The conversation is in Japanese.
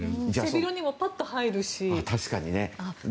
背広にもパッと入るし。